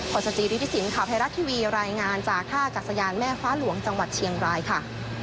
สจิริฐศิลป์ข่าวไทยรัฐทีวีรายงานจากท่ากัศยานแม่ฟ้าหลวงจังหวัดเชียงรายค่ะ